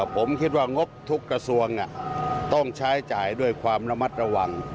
ผมคิดว่างบทุกกระทรวงต้องใช้จ่ายด้วยความระมัดระวัง